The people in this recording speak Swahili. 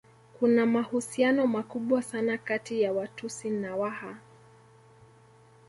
Kuna mahusiano makubwa sana kati ya Watusi na Waha